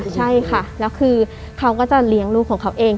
ใช่ค่ะแล้วคือเขาก็จะเลี้ยงลูกของเขาเอง